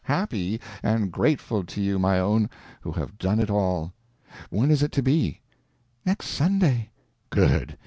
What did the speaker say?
Happy, and grateful to you, my own, who have done it all. When is it to be?" "Next Sunday." "Good.